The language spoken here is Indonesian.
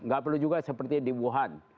gak perlu juga seperti di wuhan